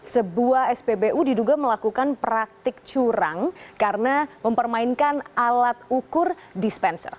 sebuah spbu diduga melakukan praktik curang karena mempermainkan alat ukur dispenser